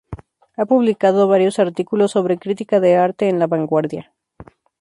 Ha publicado varios artículos sobre crítica de arte en La Vanguardia.